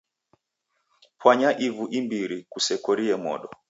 Pwanya ivu imbiri kusekorie modo.